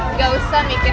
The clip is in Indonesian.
nggak usah mikir mikir